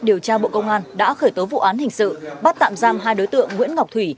điều tra bộ công an đã khởi tố vụ án hình sự bắt tạm giam hai đối tượng nguyễn ngọc thủy